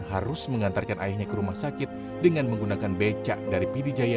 harus mengantarkan ayahnya ke rumah sakit dengan menggunakan becak dari pidijaya